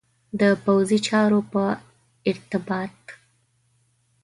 د پوځي چارو په ارتباط.